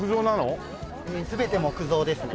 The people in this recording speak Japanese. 全て木造ですね。